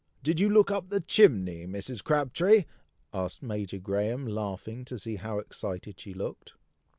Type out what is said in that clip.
"Did you look up the chimney, Mrs. Crabtree?" asked Major Graham, laughing to see how excited she looked.